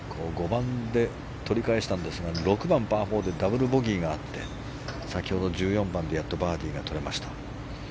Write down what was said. ５番で取り返したんですが６番、パー４でダブルボギーがあって先ほど１４番でやっとバーディーがとれました。